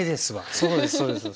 そうですね。